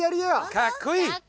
かっこいい！